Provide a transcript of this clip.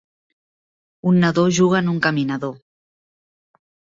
Un nadó juga en un caminador